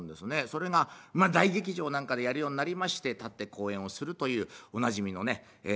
それが大劇場なんかでやるようになりまして立って口演をするというおなじみのね